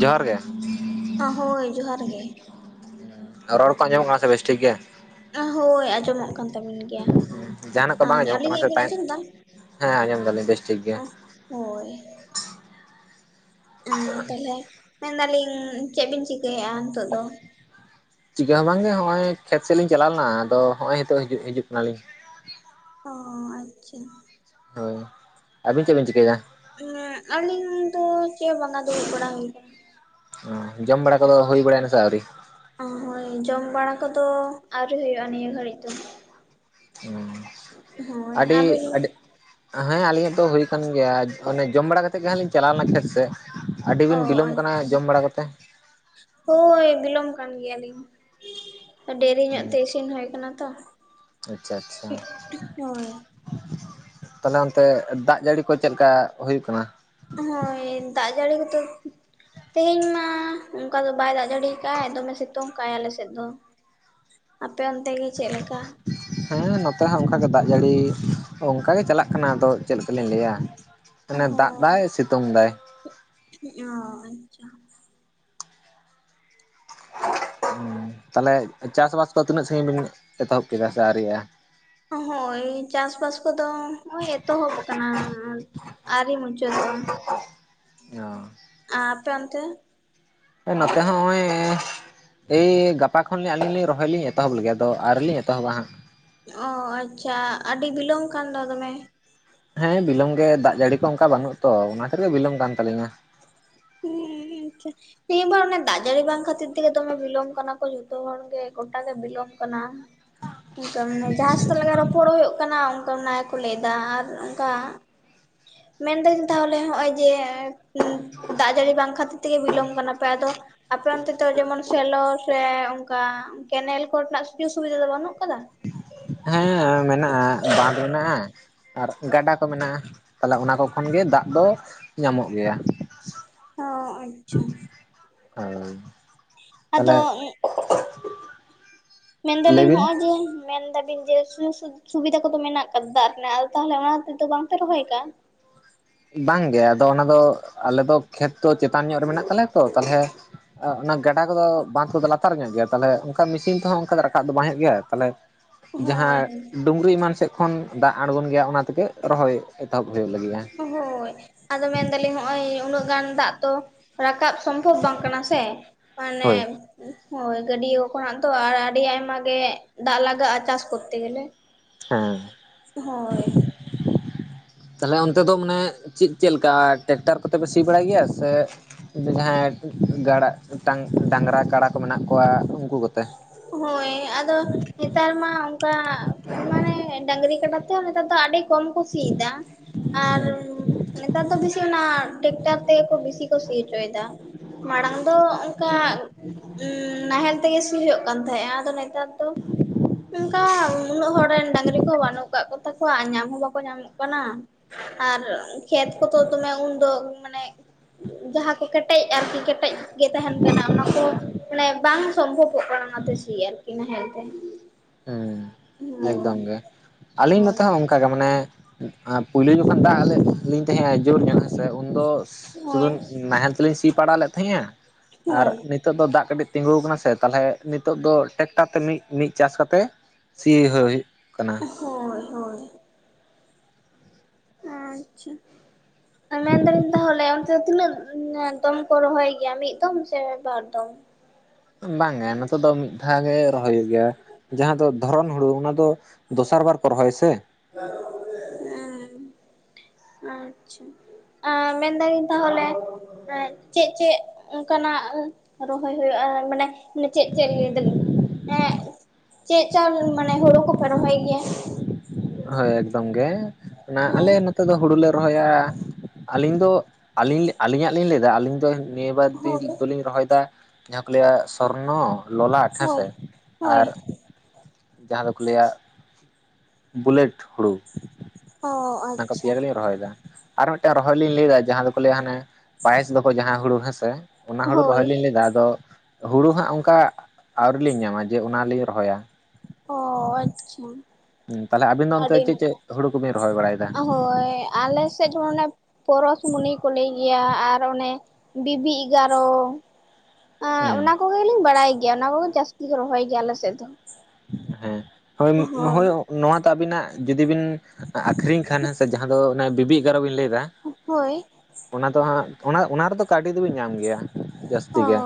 ᱡᱚᱦᱟᱨ ᱜᱮ᱾ ᱦᱳᱭ ᱡᱚᱦᱟᱨ ᱜᱮ᱾ ᱨᱚᱲ ᱠᱚ ᱟᱸᱡᱚᱢᱚᱜ ᱠᱟᱱᱟ ᱵᱮᱥ ᱴᱷᱤᱠ ᱜᱮ᱾ ᱦᱳᱭ ᱟᱸᱡᱚᱢᱚᱜ ᱠᱟᱱ ᱛᱟᱹᱵᱤᱱ ᱜᱮᱭᱟ ᱟᱨ ᱟᱹᱞᱤᱧᱟᱜ ᱵᱤᱱ ᱟᱸᱡᱚᱢ ᱫᱟ? ᱦᱮᱸᱦᱮᱸ ᱟᱡᱚᱢ ᱫᱟᱞᱤᱧ ᱵᱮᱥ ᱴᱷᱤᱠ ᱜᱮ᱾ ᱦᱳᱭ᱾ ᱛᱟᱦᱞᱮ ᱢᱮᱱᱫᱟᱞᱤᱧ ᱪᱮᱜ ᱵᱤᱱ ᱪᱤᱠᱟᱹᱭᱮᱫᱼᱟ ᱱᱤᱛᱳᱜ ᱫᱚ? ᱪᱤᱠᱟᱹ ᱦᱚᱸ ᱵᱟᱝᱜᱮ ᱦᱚᱜᱼᱚᱭ ᱠᱷᱮᱛ ᱥᱮᱫ ᱞᱤᱧ ᱪᱟᱞᱟᱣ ᱞᱮᱱᱟ ᱟᱫᱚ ᱦᱚᱸᱜᱼᱚᱭ ᱦᱤᱛᱚᱜ ᱦᱤᱡᱩᱜ ᱦᱤᱡᱩᱜ ᱠᱟᱱᱟᱞᱤᱧ᱾ ᱚ ᱟᱪᱪᱷᱟ᱾ ᱦᱳᱭ ᱟᱹᱵᱤᱱ ᱪᱮᱫ ᱵᱤᱱ ᱪᱤᱠᱟᱹᱭᱮᱫᱟ? ᱟᱹᱞᱤᱧ ᱫᱚ ᱪᱮᱜᱦᱚᱸ ᱵᱟᱝᱟ ᱫᱩᱲᱩᱵ ᱵᱟᱲᱟ ᱦᱩᱭ ᱠᱟᱱᱟ᱾ ᱡᱚᱢ ᱵᱟᱲᱟ ᱠᱚᱫᱚ ᱦᱩᱭ ᱵᱟᱲᱟᱭ ᱱᱟ ᱥᱮ ᱟᱹᱣᱨᱤ? ᱚ ᱦᱳᱭ ᱡᱚᱢ ᱵᱟᱲᱟ ᱠᱚᱫᱚ ᱟᱹᱣᱨᱤ ᱦᱩᱭᱩᱜᱼᱟ ᱱᱤᱭᱟᱹ ᱜᱷᱟᱹᱲᱤᱡ ᱫᱚ᱾ ᱦᱮᱸ ᱦᱳᱭ ᱟᱹᱰᱤ ᱟᱹᱵᱤᱱ ᱟᱹᱰᱤ ᱦᱮᱸ ᱟᱹᱞᱤᱧᱟᱜ ᱛᱚ ᱦᱩᱭ ᱠᱟᱱ ᱜᱮᱭᱟ ᱚᱱᱮ ᱡᱚᱢ ᱵᱟᱲᱟ ᱠᱟᱛᱮ ᱜᱮᱦᱟᱸᱜ ᱞᱤᱧ ᱪᱟᱞᱟᱣ ᱞᱮᱱᱟ ᱠᱷᱮᱛ ᱥᱮᱫ᱾ ᱟᱹᱰᱤ ᱚ ᱵᱤᱱ ᱵᱤᱞᱚᱢ ᱠᱟᱱᱟ ᱟᱪᱪᱷᱟ ᱡᱚᱢ ᱵᱟᱲᱟ ᱠᱟᱛᱮ ᱦᱳᱭ ᱵᱤᱞᱚᱢ ᱠᱟᱱ ᱜᱮᱭᱟᱞᱤᱧ᱾ ᱰᱮᱨᱤ ᱦᱩᱸ ᱧᱚᱜ ᱛᱮ ᱤᱥᱤᱱ ᱦᱩᱭ ᱠᱟᱱᱟ ᱛᱚ ᱦᱳᱭ᱾ ᱛᱟᱞᱦᱮ ᱚᱱᱛᱮ ᱫᱟᱜ ᱡᱟᱹᱲᱤ ᱠᱚ ᱪᱮᱜ ᱞᱮᱠᱟ ᱦᱩᱭᱩᱜ ᱠᱟᱱᱟ? ᱦᱳᱭ ᱫᱟᱜ ᱡᱟᱹᱲᱤ ᱠᱚᱫᱚ ᱛᱮᱦᱮᱸᱧ ᱢᱟ ᱚᱱᱠᱟ ᱫᱚ ᱵᱟᱭ ᱫᱟᱜ ᱡᱟᱹᱲᱤ ᱠᱟᱜᱟᱭ ᱫᱚᱢᱮ ᱥᱤᱛᱩᱝ ᱠᱟᱭ ᱟᱞᱮ ᱥᱮᱫ ᱫᱚ ᱟᱯᱮ ᱚᱱᱛᱮ ᱜᱮ ᱪᱮᱜ ᱞᱮᱠᱟ? ᱦᱮᱸ ᱱᱚᱛᱮ ᱦᱚᱸ ᱚᱱᱠᱟᱜᱮ ᱫᱟᱜ ᱡᱟᱹᱲᱤ ᱚᱱᱠᱟᱜᱮ ᱪᱟᱞᱟᱜ ᱠᱟᱱᱟ ᱟᱫᱚ ᱪᱮᱫ ᱞᱮᱠᱟᱞᱤᱧ ᱞᱟᱹᱭᱟ᱾ ᱟᱱᱮ ᱫᱟᱜ ᱫᱟᱭ ᱥᱤᱛᱩᱝ ᱫᱟᱭ᱾ ᱚᱻ ᱟᱪᱪᱷᱟ᱾ ᱛᱟᱦᱞᱮ ᱪᱟᱥ ᱵᱟᱥ ᱠᱚ ᱛᱤᱱᱟᱹᱜ ᱥᱟᱸᱜᱤᱧ ᱵᱤᱱ ᱮᱛᱚᱦᱚᱵ ᱠᱮᱫᱟ ᱥᱮ ᱟᱹᱨᱤᱭᱟᱜᱼᱟ? ᱦᱳᱭ ᱪᱟᱥ ᱵᱟᱥ ᱠᱚᱫᱚ ᱱᱚᱜᱼᱚᱭ ᱮᱛᱚᱦᱚᱵ ᱠᱟᱱᱟ᱾ ᱟᱹᱨᱤ ᱢᱩᱪᱟᱹᱫᱚᱜᱼᱟ ᱟᱯᱮ ᱚᱱᱛᱮ? ᱱᱚᱛᱮ ᱦᱚᱸᱚᱭ ᱮᱭ ᱜᱟᱯᱟ ᱠᱷᱚᱱ ᱞᱤᱧ ᱟᱹᱞᱤᱧ ᱞᱤᱧ ᱨᱚᱦᱚᱭ ᱞᱤᱧ ᱮᱛᱚᱦᱚᱵ ᱞᱮᱜᱮ ᱟᱫᱚ ᱟᱨᱞᱤᱧ ᱮᱛᱚᱦᱚᱵᱟ ᱦᱟᱸᱜ᱾ ᱚ ᱟᱪᱪᱷᱟ ᱟᱹᱰᱤ ᱵᱤᱞᱚᱢ ᱠᱟᱱ ᱫᱚ ᱫᱚᱢᱮ᱾ ᱦᱮᱸ ᱵᱤᱞᱚᱢ ᱜᱮ ᱫᱟᱜ ᱡᱟᱹᱲᱤ ᱠᱚ ᱚᱝᱠᱟ ᱵᱟᱹᱱᱩᱜ ᱛᱚ ᱚᱱᱟ ᱠᱷᱟᱛᱤᱨ ᱜᱮ ᱵᱤᱞᱚᱢ ᱠᱟᱱ ᱛᱟᱹᱞᱤᱧᱟ᱾ [unintelligible] ᱛᱮᱦᱤ ᱵᱟ ᱚᱱᱮ ᱫᱟᱜ ᱡᱟᱹᱲᱤ ᱵᱟᱝ ᱠᱷᱟᱹᱛᱤᱨ ᱛᱮᱜᱮ ᱫᱚᱢᱮ ᱵᱤᱞᱚᱢ ᱠᱟᱱᱟ ᱠᱚ ᱡᱷᱚᱛᱚ ᱦᱚᱲ ᱜᱮ ᱜᱚᱴᱟ ᱜᱮ ᱵᱤᱞᱚᱢ ᱠᱟᱱᱟ᱾ ᱚᱱᱠᱟ ᱢᱟᱱᱮ ᱡᱟᱦᱟᱸ ᱥᱮᱛᱚ ᱞᱟᱜᱟ ᱨᱚᱯᱚᱲᱚᱜ ᱦᱩᱭᱩᱜ ᱠᱟᱱᱟ ᱚᱱᱠᱟ ᱚᱱᱟ ᱜᱮ ᱠᱚ ᱞᱟᱹᱭᱫᱟ ᱟᱨ ᱚᱱᱠᱟ ᱢᱮᱱᱫᱟᱹᱤᱧ ᱛᱟᱦᱚᱞᱮ ᱦᱚᱜᱼᱚᱭ ᱡᱮ ᱫᱟᱜ ᱡᱟᱹᱲᱤ ᱵᱟᱝ ᱠᱷᱟᱹᱛᱤᱨ ᱛᱮᱜᱮ ᱵᱤᱞᱚᱢ ᱠᱟᱱᱟ ᱯᱮ ᱟᱫᱚ ᱟᱯᱮ ᱚᱱᱛᱮ ᱛᱚ ᱡᱮᱢᱚᱱ ᱥᱮᱞᱚ ᱥᱮ ᱚᱱᱠᱟ ᱠᱮᱱᱮᱞ ᱠᱚᱨᱮᱱᱟᱜ ᱥᱩᱡᱳᱜᱽ ᱥᱩᱵᱤᱫᱷᱟ ᱫᱚ ᱵᱟᱹᱱᱩᱜ ᱠᱟᱫᱟ? ᱦᱮᱸ ᱢᱮᱱᱟᱜᱼᱟ ᱵᱟᱸᱫᱷ ᱢᱮᱱᱟᱜᱼᱟ ᱾ ᱟᱨ ᱜᱟᱰᱟ ᱠᱚ ᱢᱮᱱᱟᱜᱼᱟ ᱛᱟᱦᱚᱞᱮ ᱚᱱᱟ ᱠᱚ ᱠᱷᱚᱱ ᱜᱮ ᱫᱟᱜ ᱫᱚ ᱧᱟᱢᱚᱜ ᱜᱮᱭᱟ᱾ ᱚ ᱟᱪᱪᱷᱟ ᱾ [unintelligible] ᱛᱟᱦᱚᱞᱮ ᱟᱫᱚ ᱢᱮᱱ ᱞᱟᱹᱭ ᱫᱟᱞᱤᱧ ᱵᱤᱱ ᱦᱚᱜᱼᱚᱭ ᱡᱮ ᱢᱮᱱ ᱫᱟᱵᱤᱱ ᱡᱮ ᱥᱩᱡᱚᱠ ᱥᱩᱵᱷᱤᱫᱟ ᱠᱚᱫᱚ ᱢᱮᱱᱟᱜ ᱠᱟᱫᱟ ᱫᱟᱜ ᱨᱮᱱᱟᱜ ᱟᱫᱚ ᱛᱟᱦᱚᱞᱮ ᱚᱱᱟ ᱠᱷᱟᱛᱤᱨ ᱛᱮ ᱵᱟᱝ ᱯᱮ ᱨᱚᱦᱚᱭ ᱠᱟᱜᱼᱟ᱾ ᱵᱟᱝ ᱜᱮ ᱟᱫᱚ ᱚᱱᱟ ᱫᱚ ᱟᱞᱮ ᱫᱚ ᱠᱷᱮᱛ ᱛᱚ ᱪᱮᱛᱟᱱ ᱧᱚᱜ ᱨᱮ ᱛᱟᱞᱮᱭᱟ ᱛᱚ ᱛᱟᱦᱚᱞᱮ ᱚᱱᱟ ᱜᱟᱰᱟ ᱠᱚᱫᱚ ᱵᱟᱸᱫᱷ ᱠᱚᱫᱚ ᱞᱟᱛᱟᱨ ᱧᱚᱜ ᱜᱮᱭᱟ ᱛᱟᱦᱚᱞᱮ ᱚᱱᱠᱟ ᱢᱮᱥᱤᱱ ᱛᱮᱦᱚᱸ ᱚᱱᱠᱟ ᱫᱚ ᱨᱟᱠᱟᱵ ᱫᱚ ᱵᱟᱝ ᱦᱩᱭᱩᱜ ᱜᱮᱭᱟ ᱛᱟᱦᱚᱞᱮ ᱡᱟᱦᱟᱸ ᱦᱳᱭ ᱦᱳᱭ ᱰᱩᱝᱨᱤ ᱮᱢᱟᱱ ᱥᱮᱫ ᱠᱷᱚᱱ ᱫᱟᱜ ᱟᱬᱜᱚᱱ ᱜᱮᱭᱟ ᱚᱱᱟ ᱛᱮᱜᱮ ᱨᱚᱦᱚᱭ ᱮᱛᱚᱦᱚᱵ ᱦᱩᱭᱩᱜ ᱞᱟᱹᱜᱤᱜᱼᱟ ᱾ ᱦᱳᱭ ᱟᱫᱚ ᱢᱮᱱᱫᱟᱞᱤᱧ ᱦᱚᱜᱼᱚᱭ ᱩᱱᱟᱹᱜ ᱜᱟᱱ ᱫᱟᱜ ᱛᱚ ᱨᱟᱠᱟᱵ ᱥᱚᱢᱵᱷᱚᱵᱽ ᱵᱟᱝ ᱠᱟᱱᱟ ᱥᱮ ᱢᱟᱱᱮ ᱦᱳᱭ ᱦᱳᱭ ᱜᱟᱹᱰᱤᱭᱚ ᱠᱷᱚᱱᱟᱜ ᱫᱚ ᱟᱨ ᱟᱹᱰᱤ ᱟᱭᱢᱟ ᱜᱮ ᱫᱟᱜ ᱞᱟᱜᱟᱜᱼᱟ ᱪᱟᱥ ᱠᱚᱨᱛᱮ ᱜᱮᱞᱮ ᱾ [inaudible] ᱦᱳᱭ ᱾ ᱛᱟᱦᱚᱞᱮ ᱚᱱᱛᱮ ᱫᱚ ᱢᱟᱱᱮ ᱪᱤᱫ ᱪᱮᱞᱠᱟ ᱴᱨᱮᱠᱴᱟᱨ ᱠᱚᱛᱮ ᱯᱮ ᱥᱤ ᱵᱟᱲᱟᱭ ᱜᱮᱭᱟ, ᱥᱮ ᱡᱟᱦᱟᱸᱭ ᱜᱟᱲᱟ ᱴᱟᱝ ᱰᱟᱝᱨᱟ ᱠᱟᱲᱟ ᱠᱚ ᱢᱮᱱᱟᱜ ᱠᱚᱣᱟ ᱩᱝᱠᱩ ᱠᱚᱛᱮ ᱾ ᱦᱳᱭ ᱟᱫᱚ ᱱᱮᱛᱟᱨ ᱢᱟ ᱚᱝᱠᱟ ᱢᱟᱱᱮ ᱰᱟᱝᱨᱤ ᱠᱟᱰᱟ ᱛᱮᱦᱚᱸ ᱱᱮᱛᱟᱨ ᱫᱚ ᱟᱹᱰᱤ ᱠᱚᱢ ᱠᱚ ᱥᱤᱭ ᱫᱟ᱾ ᱟᱨ ᱦᱮᱸ ᱱᱮᱛᱟᱨ ᱫᱚ ᱵᱮᱥᱤ ᱚᱱᱟ ᱴᱮᱠᱴᱟᱨ ᱛᱮ‌ᱜᱮ ᱵᱤᱥᱤ ᱠᱚ ᱥᱤᱭ ᱦᱚᱪᱚᱭ ᱮᱫᱟ᱾ ᱢᱟᱲᱟᱝ ᱫᱚ ᱚᱝᱠᱟ ᱱᱟᱦᱮᱞ ᱛᱮᱜᱮ ᱥᱤ ᱦᱳᱭᱳᱜ ᱛᱮᱦᱮᱸ-ᱟ ᱟᱫᱚ ᱱᱮᱛᱟᱨ ᱫᱚ ᱩᱝᱠᱟ ᱩᱱᱟᱹᱜ ᱦᱚᱲ ᱨᱮᱱ ᱰᱟᱹᱟᱝᱨᱤ ᱠᱚ ᱵᱟᱹᱱᱩᱜ ᱟᱠᱟᱫ ᱠᱚᱛᱟᱠᱚᱣᱟ ᱟᱨ ᱧᱟᱢ ᱦᱚᱸ ᱵᱟᱠᱚ ᱧᱟᱢᱚᱜ ᱠᱟᱱᱟ᱾ ᱟᱨ ᱠᱷᱮᱛ ᱠᱚᱫᱚ ᱫᱚᱢᱮ ᱩᱱᱫᱚ ᱢᱟᱱᱮ ᱡᱟᱦᱟᱸ ᱠᱚ ᱠᱮᱴᱮᱡ ᱟᱨᱠᱤ ᱠᱮᱴᱮᱡ ᱜᱮ ᱛᱟᱦᱮᱱ ᱠᱟᱱᱟ ᱚᱱᱟᱠᱚ ᱢᱟᱱᱮ ᱵᱟᱝ ᱥᱚᱢᱵᱷᱚᱵᱚᱜ ᱠᱟᱱᱟ ᱚᱱᱟᱛᱮ ᱥᱤ ᱟᱨᱠᱤ ᱱᱟᱦᱮᱞ ᱛᱮ ᱾ ᱦᱮᱸ ᱮᱠᱫᱚᱢ ᱜᱮ ᱟᱹᱞᱤᱧ ᱱᱚᱛᱮ ᱦᱚᱸ ᱚᱱᱠᱟᱟᱜ ᱜᱮ ᱢᱟᱱᱮ ᱯᱳᱭᱞᱩ ᱡᱚᱠᱷᱚᱱ ᱫᱟᱜ ᱟᱞᱮ ᱞᱤᱧ ᱛᱟᱦᱮᱸᱜ-ᱟ ᱡᱳᱨ ᱧᱚᱜ ᱦᱮᱸᱥᱮ ᱩᱱᱫᱚ ᱥᱩᱫᱩ ᱦᱳᱭ ᱱᱟᱦᱮᱞ ᱛᱮᱞᱤᱧ ᱥᱤ ᱯᱟᱲᱟ ᱞᱮᱫ ᱛᱟᱦᱮᱸᱜᱼᱟ᱾ ᱟᱨ ᱦᱳᱭ ᱱᱤᱛᱳᱜ ᱫᱚ ᱫᱟᱜ ᱠᱟᱹᱴᱤᱡ ᱛᱤᱸᱜᱩ ᱟᱠᱟᱱᱟ ᱥᱮ ᱛᱟᱦᱚᱞᱮ ᱱᱤᱛᱳᱜ ᱫᱚ ᱴᱮᱠᱴᱟᱨ ᱛᱮ ᱢᱤᱜ ᱢᱤᱜ ᱪᱟᱥ ᱠᱟᱛᱮ ᱥᱤ ᱦᱳ ᱦᱩᱭᱩᱜ ᱠᱟᱱᱟ᱾ ᱦᱳᱭ ᱦᱳᱭ ᱾ ᱟᱪᱪᱷᱟ ᱟᱞᱮ ᱫᱚ ᱢᱤᱫ ᱫᱷᱟᱣ ᱟᱞᱮ ᱚᱱᱛᱮ ᱛᱤᱱᱟᱹᱜ ᱫᱚᱢ ᱠᱚ ᱨᱚᱦᱚᱭ ᱜᱮᱭᱟ ᱢᱤᱫ ᱫᱚᱢ ᱥᱮ ᱵᱟᱨ ᱫᱚᱢ? ᱵᱟᱝ ᱜᱮ ᱱᱚᱛᱮ ᱫᱚ ᱢᱤᱫ ᱫᱷᱟᱣ ᱜᱮ ᱨᱚᱦᱚᱭ ᱦᱩᱭᱩᱜ ᱜᱮᱭᱟ᱾ ᱡᱟᱦᱟᱸ ᱫᱚ ᱫᱷᱚᱨᱚᱱ ᱦᱩᱲᱩ ᱚᱱᱟ ᱫᱚ ᱫᱚᱥᱟᱨ ᱵᱟᱨ ᱠᱚ ᱨᱚᱦᱚᱭ ᱟᱥᱮ᱾ [unintelligible] ᱦᱮᱸ ᱟᱪᱪᱷᱟ᱾ ᱟ ᱢᱮᱱᱫᱟᱞᱤᱧ ᱛᱟᱦᱚᱞᱮ ᱪᱮᱫ ᱪᱮᱫ ᱚᱝᱠᱟᱱᱟᱜ ᱨᱚᱦᱚᱭ ᱦᱩᱭᱩᱜᱼᱟ ᱢᱟᱱᱮ ᱪᱮᱫ ᱪᱮᱫ ᱞᱟᱹᱭ ᱫᱟᱞᱤᱧ? ᱮᱸᱜ [unintelligible] ᱪᱮᱫ ᱪᱚᱞ ᱢᱟᱱᱮ ᱦᱩᱲᱩ ᱠᱚᱯᱮ ᱨᱚᱦᱚᱭ ᱜᱮᱭᱟ? ᱦᱳᱭ ᱮᱠᱫᱚᱢ ᱜᱮ ᱚᱱᱟ ᱟᱞᱮ ᱦᱳᱭ ᱱᱚᱛ ᱱᱚᱛᱮ ᱫᱚ ᱦᱩᱲᱩ ᱞᱮ ᱨᱚᱦᱚᱭᱟ ᱟᱹᱞᱤᱧ ᱫᱚ ᱟᱹᱞᱤᱧ ᱟᱹᱞᱤᱧᱟᱜ ᱞᱤᱧ ᱞᱟᱹᱭ ᱫᱟ ᱟᱹᱞᱤᱧ ᱫᱚ ᱱᱤᱭᱟᱹ ᱵᱟᱨ ᱫᱤ ᱦᱳᱭ ᱫᱩᱞᱤᱧ ᱨᱚᱦᱚᱭᱮᱫᱟ ᱡᱟᱦᱟᱸ ᱠᱚ ᱞᱟᱹᱭᱟ ᱥᱚᱨᱱᱚ ᱞᱚᱞᱟᱴ ᱦᱳᱭ ᱦᱮᱸᱥᱮ ᱦᱳᱭ ᱟᱨ ᱡᱟᱦᱟᱸ ᱫᱚᱠᱚ ᱞᱟᱹᱭᱟ ᱵᱩᱞᱮᱴ ᱦᱩᱲᱩ ᱚ ᱚᱱᱟ ᱟᱪᱪᱷᱟ ᱯᱮᱭᱟ ᱜᱮᱞᱤᱧ ᱨᱚᱦᱚᱭᱮᱫᱟ᱾ ᱟᱨ ᱢᱤᱫᱴᱮᱱ ᱨᱚᱦᱚᱭ ᱞᱤᱧ ᱞᱟᱹᱭᱮᱫᱟ ᱡᱟᱦᱟᱸ ᱫᱚᱠᱚ ᱞᱟᱹᱭᱟ ᱦᱟᱱᱮ ᱯᱟᱭᱤᱥ ᱫᱚᱠᱚ ᱡᱟᱦᱟᱸ ᱦᱩᱲᱩ ᱦᱮᱸᱥᱮ᱾ ᱚᱱᱟ ᱦᱩᱲᱩ ᱦᱳᱭ ᱨᱚᱦᱚᱭ ᱞᱤᱧ ᱞᱟᱹᱭ ᱫᱟ ᱟᱫᱚ ᱦᱩᱲᱩ ᱦᱟᱸᱜ ᱚᱱᱠᱟ ᱟᱹᱣᱨᱤ ᱞᱤᱧ ᱧᱟᱢᱟ ᱡᱮ ᱚᱱᱟᱞᱤᱧ ᱨᱚᱦᱚᱭᱟ᱾ ᱚ ᱟᱪᱪᱷᱟ, ᱛᱟᱦᱚᱞᱮ ᱟᱵᱤᱱ ᱫᱚ ᱚᱱᱛᱮ ᱟᱹᱰᱤ ᱪᱮᱫ ᱪᱮᱫ ᱱᱟᱯᱟᱭ ᱦᱩᱲᱩ ᱠᱚᱵᱤᱱ ᱨᱚᱦᱚᱭ ᱵᱟᱲᱟᱭ‌ ᱫᱟ? ᱟᱞᱮᱥᱮᱫ ᱚᱱᱮ ᱯᱚᱨᱚᱥᱢᱩᱱᱤ ᱠᱚ ᱞᱟᱹᱭ ᱜᱮᱭᱟ ᱟᱨ ᱚᱱᱮ ᱵᱤᱵᱤ ᱮᱜᱟᱨᱚ᱾ ᱦᱮᱸ᱾ ᱚᱱᱟ ᱠᱚᱜᱮᱞᱤᱧ ᱵᱟᱲᱟᱭ ᱜᱮᱭᱟ ᱚᱱᱟ ᱠᱚᱜᱮ ᱡᱟᱹᱥᱛᱤ ᱠᱚ ᱨᱚᱦᱚᱭ ᱜᱮᱭᱟ ᱟᱞᱮᱥᱮᱫ ᱫᱚ᱾ ᱦᱮᱸ ᱦᱳᱭ ᱦᱳᱭ ᱱᱚᱣᱟ ᱛᱮ ᱟᱵᱤᱱᱟᱜ ᱡᱩᱫᱤ ᱵᱤᱱ ᱟᱠᱷᱨᱤᱧ ᱠᱷᱟᱱ ᱦᱮᱸ ᱥᱮ ᱡᱟᱦᱟᱸ ᱫᱚ ᱵᱤᱵᱤ ᱮᱜᱟᱨᱚ ᱵᱤᱱ ᱞᱟᱹᱭᱮᱫᱟ, ᱦᱳᱭ᱾ ᱚᱱᱟ ᱫᱚ ᱦᱟᱸᱜ ᱚᱱᱟ ᱚᱱᱟ ᱨᱮᱫᱚ ᱠᱟᱹᱣᱰᱤ ᱫᱚᱵᱤᱱ ᱧᱟᱢ ᱜᱮᱭᱟ ᱡᱟᱹᱥᱛᱤ ᱚ ᱜᱮ᱾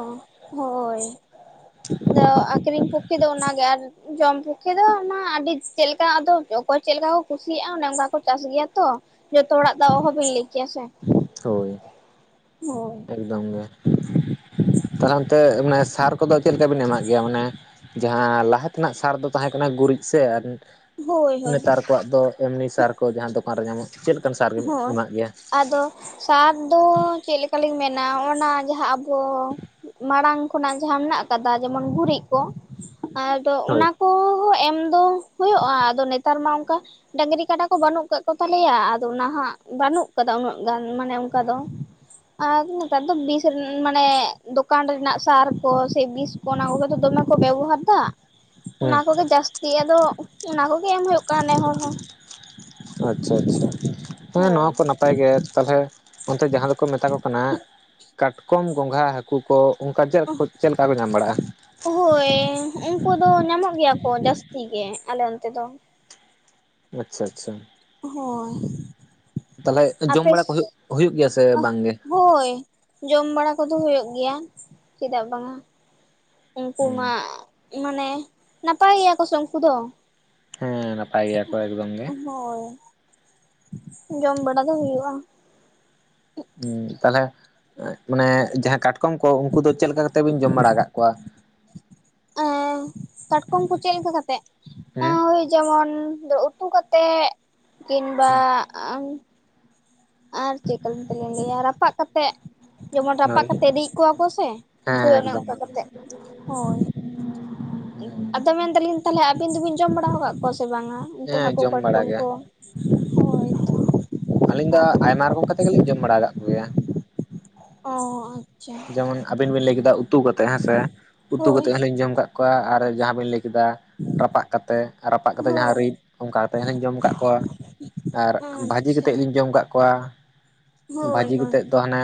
ᱦᱳᱭ ᱟᱫᱚ ᱟᱠᱷᱨᱤᱧ ᱯᱚᱠᱠᱷᱮ ᱫᱚ ᱚᱱᱟ ᱜᱮ ᱟᱨ ᱡᱚᱢ ᱯᱚᱠᱠᱷᱮ ᱫᱚ ᱚᱱᱟ ᱟᱹᱰᱤ ᱪᱮᱫᱞᱮᱠᱟ ᱟᱫᱚ ᱚᱠᱚᱭ ᱪᱮᱫᱞᱮᱠᱟ ᱠᱚ ᱠᱩᱥᱤᱭᱟᱜᱼᱟ ᱚᱱᱮ ᱚᱝᱠᱟ ᱠᱚ ᱪᱟᱥ ᱜᱮᱭᱟ ᱛᱚ, ᱡᱚᱛᱚ ᱦᱚᱲᱟᱜ ᱫᱚ ᱚᱦᱚᱵᱤᱱ ᱞᱟᱹᱭ ᱠᱮᱭᱟᱥᱮ᱾ ᱛᱳᱭ ᱮᱠᱫᱚᱢ ᱜᱮ ᱛᱟᱦᱚᱞᱮ ᱚᱱᱛᱮ ᱢᱟᱱᱮ ᱥᱟᱨ ᱠᱚᱫᱚ ᱪᱮᱫ ᱞᱮᱠᱟ ᱵᱤᱱ ᱮᱢᱟᱜ ᱜᱮᱭᱟ ᱢᱟᱱᱮ ᱡᱟᱦᱟᱸ ᱞᱟᱦᱟ ᱛᱮᱱᱟᱜ ᱥᱟᱨ ᱫᱚ ᱛᱟᱦᱮᱸ ᱠᱟᱱᱟ ᱜᱩᱨᱤᱡ ᱥᱮ, ᱦᱳᱭ ᱦᱳᱭ ᱱᱮᱛᱟᱨ ᱠᱚᱣᱟᱜ ᱫᱚ ᱮᱢᱱᱤ ᱥᱟᱨ ᱠᱚ ᱡᱟᱦᱟᱸ ᱫᱚᱠᱟᱱ ᱨᱮ ᱧᱟᱢᱚᱜᱼᱟ᱾ ᱦᱳᱭ ᱟᱫᱚ ᱥᱟᱨ ᱫᱚ ᱪᱮᱫ ᱞᱮᱠᱟ ᱞᱤᱧ ᱢᱮᱱᱟ ᱚᱜᱱᱟ ᱡᱟᱦᱟᱸ ᱟᱵᱚ ᱛᱚ ᱢᱟᱲᱟᱝ ᱠᱷᱚᱱᱟᱜ ᱡᱟᱦᱟᱸ ᱢᱮᱱᱟᱜ ᱟᱠᱟᱫᱟ ᱡᱮᱢᱚᱱ ᱜᱩᱨᱤᱡ ᱠᱚ ᱟᱫᱚ ᱦᱳᱭ ᱚᱱᱟ ᱠᱚᱦᱚᱸ ᱮᱢ ᱫᱚ ᱦᱩᱭᱩᱜᱼᱟ ᱟᱫᱚ ᱱᱮᱛᱟᱨ ᱢᱟ ᱚᱱᱠᱟ ᱰᱟᱹᱝᱨᱤ ᱠᱟᱰᱟ ᱠᱚ ᱵᱟᱹᱱᱩᱜ ᱟᱠᱟᱫ ᱠᱚ ᱛᱟᱞᱮᱭᱟ᱾ ᱱᱟᱦᱟᱜ ᱵᱟᱹᱱᱩᱜ ᱠᱟᱫᱟ ᱩᱱᱟᱹᱜ ᱜᱟᱱ ᱢᱟᱱᱮ ᱚᱱᱠᱟ ᱫᱚ᱾ ᱟᱨ ᱱᱮᱛᱟᱨ ᱫᱚ ᱵᱤᱥ ᱢᱟᱱᱮ ᱫᱚᱠᱟᱱ ᱨᱮᱱᱟᱜ ᱥᱟᱨ ᱠᱚ ᱥᱮ ᱵᱤᱥ ᱚᱱᱟ ᱠᱚᱜᱮ ᱫᱚ ᱫᱚᱢᱮ ᱠᱚ ᱵᱮᱵᱚᱦᱟᱨ ᱫᱟ᱾ ᱚᱱᱟ ᱦᱮᱸ ᱠᱚᱜᱮ ᱡᱟᱹᱥᱛᱤ ᱟᱫᱚ ᱚᱱᱟ ᱠᱚᱜᱮ ᱮᱢ ᱦᱩᱭᱩᱜ ᱠᱟᱱᱟ ᱱᱮ ᱦᱚᱲ ᱦᱚᱸ᱾ ᱟᱪᱪᱷᱟ ᱟᱪᱪᱷᱟ ᱟᱪᱪᱷᱟ ᱦᱮ ᱦᱳᱭ ᱱᱚᱣᱟ ᱠᱚ ᱱᱟᱯ ᱱᱟᱯᱟᱭ ᱜᱮ ᱛᱟᱞᱦᱮ ᱚᱱᱛᱮ ᱡᱟᱦᱟᱸ ᱫᱚᱠᱚ ᱢᱮᱛᱟ ᱠᱚ ᱠᱟᱱᱟ ᱠᱟᱴᱠᱚᱢ, ᱜᱚᱸᱜᱷᱟ, ᱦᱟᱹᱠ ᱩᱱᱠᱩ ᱠᱚ ᱚᱱᱠᱟ ᱪᱮᱫ ᱠᱚ ᱪᱮᱫ ᱞᱮᱠᱟ ᱠᱚ ᱧᱟᱢ ᱵᱟᱲᱟᱜᱼᱟ? ᱦᱳᱭ ᱩᱱᱠᱩ ᱫᱚ ᱧᱟᱢᱚᱜ ᱜᱮᱭᱟ ᱠᱚ ᱡᱟᱹᱥᱛᱤ ᱜᱮ ᱟᱞᱮ ᱚᱱᱛᱮ ᱫᱚ᱾ ᱟᱪᱪᱷᱟ ᱟᱪᱪᱷᱟ᱾ ᱦᱳᱭ᱾ ᱛᱟᱞᱦᱮ ᱡᱚᱢ ᱟᱯᱮ ᱵᱟᱲᱟ ᱠᱚ ᱦᱩᱭᱩᱜ ᱦᱩᱭᱩᱜ ᱜᱮᱭᱟ ᱥᱮ ᱵᱟᱝᱜᱮ? ᱦᱳᱭ ᱡᱚᱢ ᱵᱟᱲᱟ ᱠᱚᱫᱚ ᱦᱩᱭᱩᱜ ᱜᱮᱭᱟ ᱪᱮᱫᱟᱜ ᱵᱟᱝᱟ᱾ ᱩᱱᱠᱩ ᱢᱟ ᱢᱟᱱᱮ ᱱᱟᱯᱟᱭ ᱜᱮᱭᱟ ᱠᱚ ᱥᱮ ᱩᱱᱠᱩ ᱫᱚ᱾ ᱦᱮᱸ ᱱᱟᱯ ᱦᱳᱭ ᱡᱚᱢ ᱵᱟᱲᱟ ᱫᱚ ᱦᱩᱭᱩᱜᱼᱟ᱾ ᱦᱩ ᱛᱟᱞᱦᱮ ᱢᱟᱱᱮ ᱡᱟᱦᱟᱸ ᱠᱟᱴ ᱠᱚᱢ ᱠᱚ ᱩᱱᱠᱩ ᱫᱚ ᱪᱮᱫ ᱞᱮᱠᱟ ᱠᱟᱛᱮ ᱵᱤᱱ ᱡᱚᱢ ᱵᱟᱲᱟ ᱟᱠᱟᱫ ᱠᱚᱣᱟ? ᱮᱸ ᱠᱟᱴᱠᱚᱢ ᱠᱚ ᱪᱮᱫ ᱞᱮᱠᱟ ᱠᱟᱛᱮᱜ ᱦᱮᱸ ᱳᱭ ᱡᱮᱢᱚᱱ ᱫᱚ ᱩᱛᱩ ᱠᱟᱛᱮ ᱠᱤᱝ ᱵᱟ ᱟᱹ ᱟᱨ ᱪᱮᱫ ᱞᱮᱠᱟ ᱛᱮᱞᱤᱧ ᱞᱟᱹᱭᱟ ᱨᱟᱯᱟᱜ ᱠᱟᱛᱮᱫ᱾ ᱡᱮᱢᱚᱱ ᱨᱟᱯᱟᱜ ᱦᱳᱭ ᱠᱟᱛᱮ ᱨᱤᱡ ᱠᱚᱣᱟ ᱠᱚ ᱥᱮ ᱦᱮᱸ ᱦᱳᱭ ᱚᱱᱮ ᱮᱠᱫᱚᱢ ᱚᱱᱠᱟ ᱠᱟᱛᱮ ᱦᱳᱭ᱾ ᱟᱫᱚ ᱢᱮᱱᱫᱟᱞᱤᱧ ᱛᱟᱦᱚᱞᱮ ᱟᱹᱵᱤᱱ ᱫᱚᱵᱤᱱ ᱡᱚᱢ ᱵᱟᱲᱟ ᱟᱠᱟᱫ ᱠᱚᱣᱟ ᱥᱮ ᱵᱟᱝᱟ ᱩᱱᱠᱩ ᱦᱮᱸ ᱦᱟᱹᱠᱩ ᱡᱚᱢ ᱵᱟᱲᱟ ᱠᱟᱴᱠᱚᱢ ᱜᱮ ᱠᱚ? ᱦᱳᱭ ᱦᱳᱭ᱾ ᱟᱹᱞᱤᱧ ᱫᱚ ᱟᱭᱢᱟ ᱨᱚᱠᱚᱢ ᱠᱟᱛᱮ ᱜᱮᱞᱤᱧ ᱡᱚᱢ ᱵᱟᱲᱟ ᱟᱠᱟᱫ ᱠᱚᱜᱮᱭᱟ᱾ ᱚᱸ ᱚᱭ᱾ ᱡᱮᱢᱚᱱ ᱟᱵᱤᱱ ᱵᱤᱱ ᱞᱟᱹᱭ ᱠᱮᱫᱟ ᱩᱛᱩ ᱠᱟᱛᱮᱫ ᱦᱮᱸᱥᱮ ᱩᱛᱩ ᱦᱳᱭ ᱠᱟᱛᱮᱫ ᱦᱚᱞᱤᱧ ᱡᱚᱢ ᱠᱟᱜ ᱠᱚᱣᱟ ᱟᱨ ᱡᱟᱦᱟᱸ ᱵᱮᱱ ᱞᱟᱹᱭ ᱠᱮᱫᱟ᱾ ᱨᱟᱯᱟᱜ ᱠᱟᱛᱮ ᱨᱟᱯᱟᱜ ᱠᱟᱛᱮ ᱡᱟᱦᱟᱸ ᱦᱳᱭ ᱨᱤᱫ ᱚᱱᱠᱟ ᱠᱟᱛᱮ ᱦᱩᱧ ᱡᱚᱢ ᱟᱠᱟᱫ ᱠᱚᱣᱟ᱾ ᱟᱨ ᱵᱷᱟᱹᱡᱤ ᱟᱪᱪᱷᱟ ᱠᱟᱛᱮᱫ ᱞᱤᱧ ᱡᱚᱢ ᱟᱠᱟᱫ ᱠᱚᱣᱟ᱾ ᱵᱷᱟᱹᱡᱤ ᱦᱳᱭ ᱦᱳᱭ ᱠᱟᱛᱮᱫ ᱫᱚ ᱦᱟᱱᱮ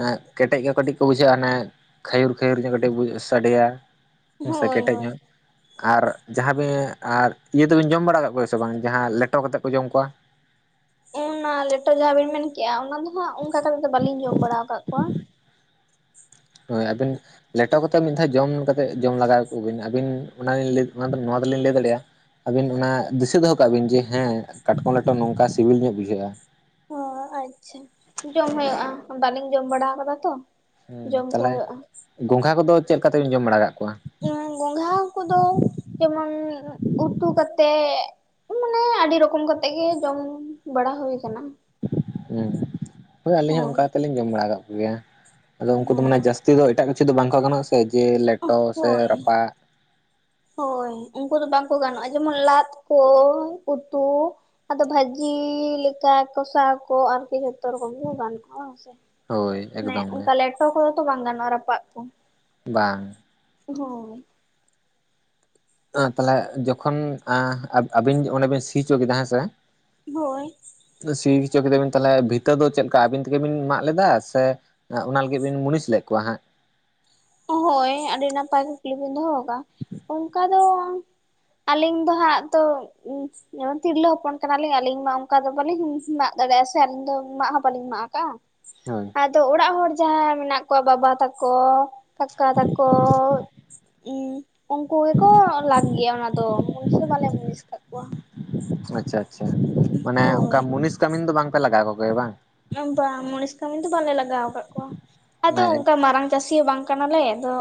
ᱮᱜ ᱠᱮᱴᱮᱡ ᱜᱮ ᱠᱟᱹᱴᱤᱡ ᱠᱚ ᱵᱩᱡᱷᱟᱹᱜ-ᱟ ᱚᱱᱮ ᱠᱷᱟᱹᱭᱩᱨ ᱠᱷᱟᱹᱭᱩᱨ ᱧᱚᱜ ᱠᱟᱹᱴᱤᱡ ᱥᱟᱰᱮᱭᱟ ᱥᱮ ᱦᱳᱭ ᱠᱮᱴᱮᱡ ᱦᱳᱭ ᱧᱚᱜ᱾ ᱟᱨ ᱡᱟᱦᱟᱸ ᱵᱮᱸ ᱟᱨ ᱤᱭᱟᱹ ᱫᱚᱵᱤᱱ ᱡᱚᱢ ᱵᱟᱲᱟ ᱠᱟᱜ ᱠᱚᱣᱟ ᱥᱮ ᱵᱟᱝ ᱡᱟᱦᱟᱸ ᱞᱮᱴᱚ ᱠᱟᱛᱮᱫ ᱠᱚ ᱡᱚᱢ ᱠᱚᱣᱟ? ᱚᱱᱟ ᱞᱮᱴᱚ ᱡᱟᱦᱟᱸ ᱵᱤᱱ ᱢᱮᱱᱠᱮᱜ-ᱟ ᱚᱱᱟ ᱫᱚ ᱦᱟᱸᱜ ᱚᱱᱠᱟ ᱠᱟᱛᱮᱫ ᱫᱚ ᱵᱟᱹᱞᱤᱧ ᱡᱚᱢ ᱵᱟᱲᱟ ᱟᱠᱟᱫ ᱠᱚᱣᱟ᱾ ᱦᱳᱭ ᱟᱵᱤᱱ ᱞᱮᱴᱚ ᱠᱟᱛᱮ ᱢᱤᱫ ᱫᱷᱟᱣ ᱡᱚᱢ ᱡᱚᱢ ᱞᱮᱜᱟᱣ ᱠᱚ ᱵᱤᱱ ᱟᱹᱵᱤᱱ ᱚᱱᱟ ᱜᱮᱞᱤᱧ ᱞᱟᱹᱭ ᱱᱚᱣᱟ ᱫᱚᱞᱤᱧ ᱞᱟᱹᱭ ᱫᱟᱲᱮᱭᱟᱜ-ᱟ ᱟᱹᱵᱤᱱ ᱚᱱᱟ ᱫᱤᱥᱟᱹ ᱫᱚᱦ ᱠᱟᱜ ᱵᱤᱱ ᱡᱮ ᱦᱮᱸ ᱠᱟᱴᱠᱚᱢ ᱞᱮᱴᱚ ᱱᱚᱝᱠᱟ ᱥᱤᱵᱤᱞ ᱧᱚᱜ ᱵᱩᱡᱷᱟᱹᱜ-ᱟ ᱾ ᱚᱸ ᱟᱪᱪᱷᱟ ᱡᱚᱢ ᱦᱩᱭᱩᱜ-ᱟ ᱵᱟᱹᱞᱤᱧ ᱡᱚᱢ ᱵᱟᱲᱟ ᱟᱠᱟᱫᱟ ᱛᱚ ᱾ ᱦᱮᱸ ᱛᱟᱦᱞᱮ ᱜᱚᱝᱜᱷᱟ ᱠᱚᱫᱚ ᱪᱮᱫ ᱞᱮᱠᱟ ᱛᱮᱵᱤᱱ ᱡᱚᱢ ᱵᱟᱲᱟ ᱠᱟᱜ ᱠᱚᱣᱟ? ᱜᱚᱸᱜᱷᱟ ᱠᱚᱫᱚ ᱡᱮᱢᱚᱱ ᱩᱛᱩ ᱠᱟᱛᱮᱜ ᱾ ᱢᱟᱱᱮ ᱟᱹᱰᱤ ᱨᱚᱠᱚᱢ ᱠᱟᱛᱮᱜ ᱜᱮ ᱡᱚᱢ ᱵᱟᱲᱟ ᱦᱩᱭ ᱠᱟᱱᱟ᱾ ᱦᱮᱸ ᱦᱳᱭ ᱟᱹᱞᱤᱧ ᱦᱚᱸ ᱚᱱᱠᱟ ᱠᱟᱛᱮ ᱞᱤᱧ ᱡᱚᱢ ᱵᱟᱲᱟ ᱠᱟᱜ ᱠᱚᱜᱮᱭᱟ᱾ ᱟᱫᱚ ᱩᱱᱠᱩ ᱫᱚ ᱢᱟᱱᱮ ᱦᱳᱭ ᱡᱟᱹᱥᱛᱤ ᱫᱚ ᱮᱴᱟᱜ ᱠᱤᱪᱷᱩ ᱫᱚ ᱵᱟᱝ ᱠᱚ ᱜᱟᱱᱚᱜ-ᱟ ᱥᱮ ᱡᱮ ᱞᱮᱴᱚ ᱥᱮ ᱦᱳᱭ ᱨᱟᱯᱟᱜ᱾ ᱦᱳᱭ ᱩᱱᱠᱩ ᱫᱚ ᱵᱟᱝ ᱠᱚ ᱜᱟᱱᱚᱜ-ᱟ ᱡᱮᱢᱚᱱ ᱞᱟᱫ ᱠᱚ ᱩᱛᱩ ᱾ ᱟᱫᱚ ᱵᱷᱟᱹᱡᱤ ᱞᱮᱠᱟ ᱠᱚᱥᱟ ᱠᱚ ᱟᱨᱠᱤ ᱡᱚᱛᱚ ᱨᱚᱠᱚᱢ ᱜᱮ ᱜᱟᱜ-ᱟ ᱥᱮ ᱦᱳᱭ ᱟᱱᱮ ᱮᱠᱫᱚᱢ ᱜᱮ ᱚᱱᱠᱟ ᱞᱮᱴᱚ ᱠᱚᱫᱚ ᱛᱚ ᱵᱟᱝ ᱜᱟᱱᱚᱜ-ᱟ ᱨᱟᱯᱟᱜ ᱠᱚ᱾ ᱵᱟᱝ ᱦᱳᱭ ᱛᱟᱦᱚᱞᱮ ᱡᱚᱠᱷᱚᱱ ᱟᱸ ᱟᱵᱤᱱ ᱚᱱᱮ ᱵᱤᱱ ᱥᱤᱪᱚ ᱠᱮᱫᱟ ᱦᱮᱸᱥᱮ ᱵᱳᱭ ᱥᱤ ᱦᱚᱪᱚ ᱠᱮᱫᱟ ᱵᱤᱱ ᱛᱟᱦᱚᱞᱮ ᱵᱷᱤᱛᱟᱹ ᱫᱚ ᱪᱮᱫ ᱞᱮᱠᱟ ᱟᱵᱤᱱ ᱛᱮᱜᱮ ᱵᱤᱱ ᱢᱟᱜ ᱞᱮᱫᱟ ᱥᱮ ᱚᱱᱟ ᱞᱟᱹᱜᱤᱫ ᱵᱤᱱ ᱢᱩᱱᱤᱥ ᱞᱮᱫ ᱠᱚᱣᱟ ᱦᱟᱸᱜ ᱦᱳᱭ ᱟᱹᱰᱤ ᱱᱟᱯᱟᱭ ᱠᱩᱠᱞᱤ ᱵᱤᱱ ᱫᱚᱦᱚ ᱠᱟᱜ ᱚᱱᱠᱟ ᱫᱚ ᱟᱹᱞᱤᱧ ᱫᱚ ᱦᱟᱸᱜ ᱛᱚ ᱡᱮᱢᱚᱱ ᱛᱤᱨᱞᱟᱹ ᱦᱚᱯᱚᱱ ᱠᱟᱱᱟᱞᱤᱧ ᱟᱹᱞᱤᱧ ᱢᱟ ᱚᱱᱠᱟ ᱫᱚ ᱵᱟᱹᱞᱤᱧ ᱢᱟᱜ ᱫᱟᱲᱮᱭᱟᱜ-ᱟ ᱥᱮ ᱟᱹᱞᱤᱧ ᱫᱚ ᱢᱟᱜ ᱦᱚᱸ ᱵᱟᱹᱞᱤᱧ ᱢᱟᱜ ᱠᱟᱜ-ᱟ᱾ ᱦᱳᱭ ᱟᱫᱚ ᱚᱲᱟᱜ ᱦᱚᱲ ᱡᱟᱦᱟᱸᱭ ᱢᱮᱱᱟᱜ ᱠᱚᱣᱟ ᱵᱟᱵᱟ ᱛᱟᱠᱚ ᱠᱟᱠᱟ ᱛᱟᱠᱚ ᱩᱻ ᱩᱱᱠᱩ ᱜᱮᱠᱚ ᱞᱟᱜ ᱜᱮᱭᱟ ᱚᱱᱟ ᱫᱚ ᱢᱩᱱᱤᱥ ᱫᱚ ᱵᱟᱞᱮ ᱢᱩᱱᱤᱥ ᱟᱠᱟᱫ ᱠᱚᱣᱟ᱾ ᱟᱪᱪᱷᱟ ᱟᱪᱪᱷᱟ ᱢᱟᱱᱮ ᱚᱱᱠᱟ ᱦᱳᱭ ᱢᱩᱱᱤᱥ ᱠᱟᱹᱢᱤᱱ ᱫᱚ ᱵᱟᱝᱯᱮ ᱞᱟᱜᱟᱣ ᱠᱚᱜᱮᱭᱟ ᱵᱟᱝ? ᱵᱟᱝ ᱢᱚᱱᱤᱥ ᱠᱟᱹᱢᱤ ᱫᱚ ᱵᱟᱝᱞᱮ ᱞᱟᱜᱟᱣ ᱠᱟᱫ ᱠᱚᱣᱟ ᱟᱫᱚ ᱚᱱᱠᱟ ᱢᱟᱨᱟᱝ ᱪᱟᱹᱥᱤ ᱦᱚᱸ ᱵᱟᱝ ᱠᱟᱱᱟᱞᱮ ᱟᱫᱚ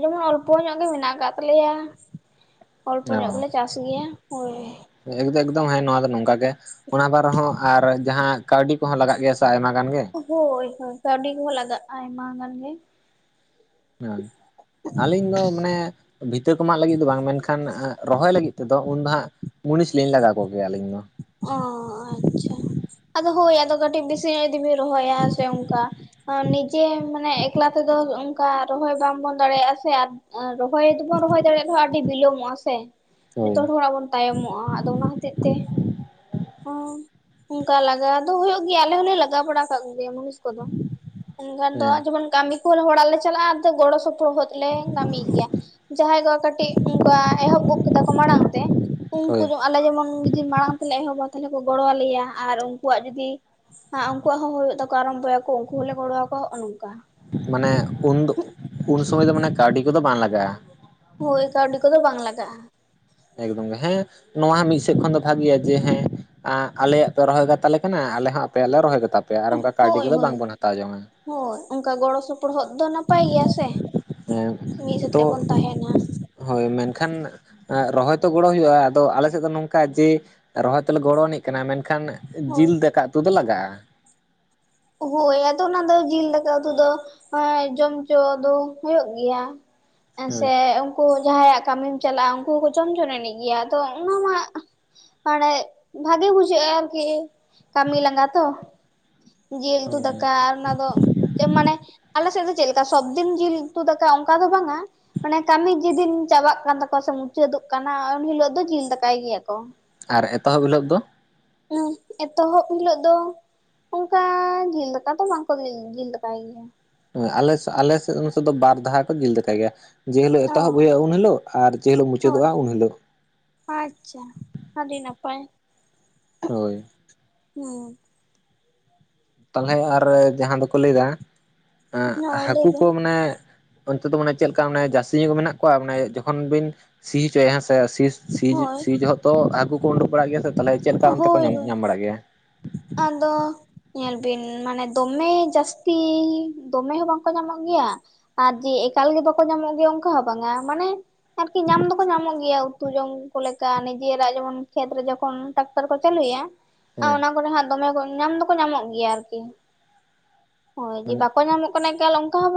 ᱡᱮᱢᱚᱱ ᱚᱞᱯᱚ ᱧᱚᱜ ᱜᱮ ᱢᱮᱱᱟᱜ ᱟᱠᱟᱫ ᱛᱟᱞᱮᱭᱟ᱾ ᱚᱞᱯᱚ ᱧᱚᱜ ᱜᱮᱞᱮ ᱪᱟᱥ ᱜᱮᱭᱟ ᱦᱳᱭ ᱮᱠᱫᱚ ᱮᱠᱫᱚᱢ ᱦᱮᱸ ᱱᱚᱣᱟ ᱫᱚ ᱱᱚᱝᱠᱟ ᱜᱮ ᱚᱱᱟ ᱵᱟᱨᱮᱦᱚᱸ ᱟᱨ ᱡᱟᱦᱟᱸ ᱠᱟᱹᱣᱰᱤ ᱠᱚᱦᱚᱸ ᱞᱟᱜᱟᱜ ᱜᱮᱭᱟ ᱥᱮ ᱟᱭᱢᱟ ᱜᱟᱱ ᱜᱮ ᱦᱳᱭ ᱦᱳᱭ ᱠᱟᱹᱣᱰᱤ ᱠᱚ ᱞᱟᱜᱟᱜ-ᱟ ᱟᱭᱢᱟ ᱜᱟᱱ ᱜᱮ᱾ [inaudible] ᱟᱹᱞᱤᱧ ᱫᱚ ᱢᱟᱱᱮ ᱵᱷᱤᱛᱟᱹ ᱠᱚᱢᱟᱜ ᱞᱟᱹᱜᱤᱫ ᱫᱚ ᱵᱟᱝ ᱢᱮᱱᱠᱷᱟᱱ ᱨᱚᱦᱚᱭ ᱞᱟᱹᱜᱤᱫ ᱛᱮᱫᱚ ᱩᱱ ᱫᱚ ᱦᱟᱸᱜ ᱢᱩᱱᱤᱥ ᱞᱤᱧ ᱞᱟᱜᱟ ᱠᱚᱜᱮᱭᱟ ᱟᱹᱞᱤᱧ ᱫᱚ᱾ ᱚ ᱟᱪᱪᱷᱟ ᱟᱫᱚ ᱦᱳᱭ ᱟᱫᱚ ᱠᱟᱹᱴᱤᱡ ᱵᱮᱥᱤ ᱧᱟᱜ ᱡᱩᱫᱤ ᱵᱤᱱ ᱨᱚᱦᱚᱭᱟ ᱥᱮ ᱚᱱᱠᱟ ᱱᱤᱡᱮ ᱢᱟᱱᱮ ᱮᱠᱞᱟ ᱛᱮᱫᱚ ᱚᱱᱠᱟ ᱨᱚᱦᱚᱭ ᱵᱟ ᱵᱚᱱ ᱫᱟᱲᱮᱭᱟᱜ-ᱟ ᱥᱮ ᱟᱨ ᱨᱚᱦᱚᱭ ᱫᱚᱵᱚᱱ ᱨᱚᱦᱚᱭ ᱫᱟᱲᱮᱭᱟᱜ ᱨᱮᱦᱚᱸ ᱟᱹᱰᱤ ᱵᱤᱞᱚᱢᱚᱜ-ᱟ ᱥᱮ᱾ ᱦᱳᱭ ᱡᱚᱛᱚ ᱦᱚᱲ ᱠᱷᱚᱱᱟᱜ ᱵᱚᱱ ᱛᱟᱭᱚᱢᱚᱜ-ᱟ ᱟᱫᱚ ᱚᱱᱟ ᱦᱚᱛᱮᱡ ᱛᱮ᱾ ᱦᱚ ᱚᱱᱠᱟ ᱞᱟᱜᱟᱣ ᱫᱚ ᱦᱩᱭᱩᱜ ᱜᱮᱭᱟ ᱟᱞᱮ ᱦᱚᱸᱞᱮ ᱞᱟᱜᱟᱣ ᱵᱟᱲᱟ ᱠᱟᱜ ᱜᱮᱭᱟ ᱢᱩᱱᱤᱥ ᱠᱚᱫᱚ᱾ ᱚᱱᱠᱟ ᱫᱚ ᱟᱨ ᱦᱮᱸ ᱡᱚᱠᱷᱚᱱ ᱠᱟᱹᱢᱤ ᱠᱚ ᱦᱚᱲᱟᱜ ᱞᱮ ᱪᱟᱞᱟᱜ-ᱟ ᱟᱫᱚ ᱜᱚᱲᱚ ᱥᱚᱯᱚ ᱥᱚᱯᱚᱦᱚᱫ ᱞᱮ ᱠᱟᱹᱢᱤᱭ ᱜᱮᱭᱟ ᱡᱟᱦᱟᱸᱭ ᱠᱚ ᱠᱟᱹᱴᱤᱡ ᱚᱱᱠᱟ ᱮᱦᱚᱵ ᱜᱚᱫ ᱠᱮᱫᱟ ᱠᱚ ᱢᱟᱲᱟᱝ ᱛᱮ᱾ ᱩᱱᱠᱩ ᱦᱳᱭ ᱟᱞᱮ ᱡᱮᱢᱚᱱ ᱡᱩᱫᱤ ᱢᱟᱲᱟᱝ ᱛᱮᱞᱮ ᱮᱦᱚᱵᱟ ᱛᱟᱦᱞᱮ ᱠᱚ ᱜᱚᱲᱚ ᱟᱞᱮᱭᱟ ᱟᱨ ᱩᱱᱠᱩᱣᱟᱜ ᱡᱩᱫᱤ ᱦᱟᱜ ᱩᱱᱠᱩᱣᱟᱜ ᱦᱚᱸ ᱦᱩᱭᱩᱜ ᱛᱟᱠᱚ ᱟᱨᱟᱢᱵᱚᱭᱟᱠᱚ ᱩᱱᱠᱩ ᱦᱚᱸᱞᱮ ᱜᱚᱲᱚᱣᱟ ᱦᱚᱜ-ᱚ ᱱᱚᱝᱠᱟ᱾ ᱢᱟᱱᱮ ᱩᱱ ᱫᱚ ᱩᱱ ᱥᱚᱢᱚᱭ ᱫᱚ ᱢᱟᱱᱮ ᱠᱟᱹᱣᱰᱤ ᱠᱚᱫᱚ ᱞᱟᱜᱟᱜ-ᱟ᱾ ᱦᱳᱭ ᱠᱟᱹᱣᱰᱤ ᱠᱚᱫᱚ ᱵᱟᱝ ᱞᱟᱜᱟᱜ-ᱟ᱾ ᱮᱠᱫᱚᱢ ᱜᱮ ᱦᱮᱸ ᱱᱚᱣᱟ ᱢᱤᱫ ᱥᱮᱫ ᱠᱷᱚᱱ ᱫᱚ ᱵᱷᱟᱜᱮᱭᱟ ᱡᱮ ᱦᱮᱸ ᱟᱞᱮᱭᱟᱜ ᱯᱮ ᱨᱚᱦᱚᱭ ᱠᱟᱛᱟᱞᱮ ᱠᱟᱱᱟ ᱟᱞᱮ ᱦᱚᱸ ᱟᱯᱮᱭᱟᱜ ᱞᱮ ᱨᱚᱦᱚᱭ ᱠᱟᱛᱟ ᱯᱮᱭᱟ ᱟᱨ ᱚᱱᱠᱟ ᱠᱟᱹᱣᱰᱤ ᱦᱳᱭ ᱠᱚᱫᱚ ᱦᱳᱭ ᱵᱟᱝᱵᱚᱱ ᱦᱟᱛᱟᱣ ᱡᱚᱝ ᱟ᱾ ᱦᱳᱭ ᱚᱱᱠᱟ ᱜᱚᱲᱚ ᱥᱚᱯᱚᱦᱚᱫ ᱫᱚ ᱱᱟᱯᱟᱭ ᱜᱮᱭᱟ ᱥᱮ ᱦᱮᱸ ᱢᱤᱫ ᱥᱟᱛᱮ ᱛᱚ ᱵᱚᱱ ᱛᱟᱦᱮᱱᱟ᱾ ᱦᱳᱭ ᱢᱮᱱᱠᱷᱟᱱ ᱨᱚᱦᱚᱭ ᱛᱚ ᱜᱚᱲᱚ ᱦᱩᱭᱩᱜ-ᱟ ᱟᱫᱚ ᱟᱞᱮ ᱥᱮᱫ ᱫᱚ ᱱᱚᱝᱠᱟ ᱡᱮ ᱨᱚᱦᱚᱭ ᱛᱚᱞᱮ ᱜᱚᱲᱚ ᱟᱹᱱᱤᱡ ᱠᱟᱱᱟ ᱢᱮᱱᱠᱷᱟᱱ ᱦᱳᱭ ᱡᱤᱞ ᱫᱟᱠᱟ ᱩᱛᱩ ᱫᱚ ᱞᱟᱜᱟᱜ-ᱟ᱾ ᱦᱳᱭ ᱟᱫᱚ ᱚᱱᱟ ᱫᱚ ᱡᱤᱞ ᱫᱟᱠᱟ ᱩᱛᱩ ᱫᱚ ᱡᱚᱢ ᱦᱚᱪᱚ ᱫᱚ ᱦᱩᱭᱩᱜ ᱜᱮᱭᱟ ᱦᱳᱭ ᱦᱮᱥᱮ ᱩᱱᱠᱩ ᱡᱟᱦᱟᱸᱭᱟᱜ ᱠᱟᱹᱢᱤᱢ ᱪᱟᱞᱟᱜ-ᱟ ᱩᱱᱠᱩ ᱦᱚᱸᱠᱚ ᱡᱚᱢ ᱡᱚᱝ ᱮᱱᱤᱡ ᱜᱮᱭᱟ ᱟᱫᱚ ᱚᱱᱟ ᱢᱟ ᱢᱟᱱᱮ ᱵᱷᱟᱜᱤ ᱵᱩᱡᱷᱟᱹᱜ-ᱟ ᱟᱨᱠᱤ ᱠᱟᱹᱢᱤ ᱞᱟᱸᱜᱟ ᱛᱚ᱾ ᱡᱤᱞ ᱩᱛᱩ ᱦᱳᱭ ᱫᱟᱠᱟ ᱟᱨ ᱚᱱᱟ ᱫᱚ ᱪᱮᱫ ᱢᱟᱱᱮ ᱟᱞᱮᱥᱮᱫ ᱫᱚ ᱪᱮᱫ ᱞᱮᱠᱟ ᱥᱚᱵᱫᱤᱱ ᱡᱤᱞ ᱩᱛᱩ ᱫᱟᱠᱟ ᱚᱱᱠᱟ ᱫᱚ ᱵᱟᱝ ᱟ᱾ ᱢᱟᱱᱮ ᱠᱟᱹᱢᱤ ᱡᱮᱫᱤᱱ ᱪᱟᱵᱟᱜ ᱠᱟᱱ ᱛᱟᱠᱚᱣᱟ ᱥᱮ ᱢᱩᱪᱟᱹᱫᱚᱜ ᱠᱟᱱᱟ ᱩᱱ ᱦᱤᱞᱳᱜ ᱫᱚ ᱡᱤᱞ ᱫᱟᱠᱟᱭ ᱜᱮᱭᱟ ᱠᱚᱽ᱾ ᱟᱨ ᱮᱛᱚᱦᱚᱵ ᱦᱤᱞᱳᱜ ᱫᱚ? ᱦᱮᱸ ᱮᱛᱚᱦᱚᱵ ᱦᱤᱞᱳᱜ ᱫᱚ ᱚᱱᱠᱟ ᱡᱤᱞ ᱫᱟᱠᱟ ᱛᱚ ᱵᱟᱝᱠᱚ ᱡᱤᱞ ᱫᱟᱠᱟᱭ ᱜᱮᱭᱟ᱾ ᱦᱮ ᱟᱞᱮ ᱟᱞᱮ ᱥᱮᱫ ᱫᱚ ᱵᱟᱨ ᱫᱟᱣ ᱠᱚ ᱡᱤᱞ ᱫᱟᱠᱟᱭ ᱜᱮᱭᱟ᱾ ᱡᱮ ᱦᱤᱞᱳᱜ ᱚ ᱮᱛᱚᱦᱚᱵ ᱦᱩᱭᱩᱜᱼᱟ ᱩᱱ ᱦᱤᱞᱳᱜ ᱟᱨ ᱡᱮ ᱦᱤᱞᱳᱜ ᱦᱳᱭ ᱢᱩᱪᱟᱹᱫᱚᱜᱼᱟ ᱩᱱ ᱦᱤᱞᱳᱜ᱾ ᱟᱪᱪᱷᱟ ᱟᱹᱰᱤ ᱱᱟᱯᱟᱭ᱾ ᱦᱳᱭ᱾ ᱦᱩᱸ᱾ ᱛᱟᱦᱚᱞᱮ ᱟᱨ ᱡᱟᱦᱟᱸ ᱫᱚᱠᱚ ᱞᱟᱹᱭᱫᱟ ᱦᱳᱭ ᱞᱟᱹᱭ ᱦᱟᱹᱠᱩ ᱵᱤᱱ ᱠᱚ ᱢᱟᱱᱮ ᱚᱱᱛᱮ ᱫᱚ ᱢᱟᱱᱮ ᱪᱮᱫᱠᱟ ᱚᱱᱮ ᱡᱟᱹᱥᱛᱤ ᱧᱚᱜ ᱢᱮᱱᱟᱜ ᱠᱚᱣᱟ ᱢᱟᱱᱮ ᱡᱚᱠᱷᱚᱱ ᱵᱤᱱ ᱥᱤ ᱦᱚᱪᱚᱭᱟ ᱦᱮᱸᱥ ᱥᱤ ᱥᱤᱡ ᱦᱳᱭ ᱥᱤ ᱡᱚᱦᱚᱛᱚ ᱦᱟᱹᱠᱩ ᱠᱚ ᱩᱰᱩᱠ ᱵᱟᱲᱟᱜ ᱜᱮᱭᱟ ᱛᱟᱦᱚᱞᱮ ᱪᱮᱫ ᱞᱮᱠᱟ ᱚᱱᱛᱮ ᱠᱚ ᱦᱳᱭ ᱧᱟᱢ ᱦᱳᱭ ᱧᱟᱢ ᱵᱟᱲᱟᱜ ᱜᱮᱭᱟ ᱟᱫᱚ ᱧᱮᱞ ᱵᱤᱱ ᱢᱟᱱᱮ ᱫᱚᱢᱮ ᱡᱟᱹᱥᱛᱤ ᱫᱚᱢᱮ ᱦᱚᱸ ᱵᱟᱝᱠᱚ ᱧᱟᱢᱚᱜ ᱜᱮᱭᱟ᱾ ᱟᱨ ᱡᱮ ᱮᱠᱟᱞ ᱜᱮ ᱵᱟᱠᱚ ᱧᱟᱢᱚᱜ ᱜᱮᱭᱟ ᱚᱱᱠᱟ ᱦᱚᱸ ᱵᱟᱝᱟ ᱢᱟᱱᱮ ᱟᱨᱠᱤ ᱧᱟᱢ ᱫᱚᱠᱚ ᱧᱟᱢᱚᱜ ᱜᱮᱭᱟ ᱩᱛᱩ ᱡᱚᱢ ᱠᱚ ᱞᱮᱠᱟ ᱱᱤᱡᱮᱨᱟᱜ ᱡᱮᱢᱚᱱ ᱠᱷᱮᱛ ᱨᱮ ᱡᱚᱠᱷᱚᱱ ᱴᱟᱨᱟᱠᱴᱟᱨ ᱠᱚ ᱪᱟᱹᱞᱩᱭᱟ ᱟᱨ ᱦᱮᱸ ᱚᱱᱟ ᱠᱚᱨᱮ ᱦᱟᱸᱜ ᱫᱚᱢᱮ ᱧᱟᱢ ᱫᱚᱠᱚ ᱧᱟᱢᱚᱜ ᱜᱮᱭᱟ ᱟᱨᱠᱤ ᱦᱳᱭ ᱡᱮ ᱢᱟᱱᱮ ᱵᱟᱠᱚ ᱧᱟᱢᱚᱜ ᱠᱟᱱᱟ ᱮᱠᱟᱞ ᱚᱱᱠᱟ ᱦᱚᱸ ᱵᱟᱝ-ᱟ᱾